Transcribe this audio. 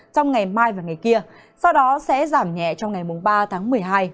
trong ngày mai và ngày kia sau đó sẽ giảm nhẹ trong ngày ba tháng một mươi hai